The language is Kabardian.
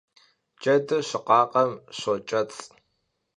Cedır şıkhakhem şoç'ets'.